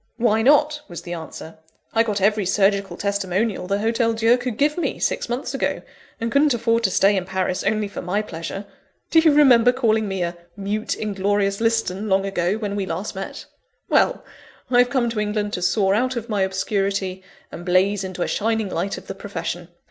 "Why not?" was the answer. "I got every surgical testimonial the Hotel Dieu could give me, six months ago; and couldn't afford to stay in Paris only for my pleasure. Do you remember calling me a 'mute, inglorious Liston,' long ago, when we last met? Well, I have come to England to soar out of my obscurity and blaze into a shining light of the profession.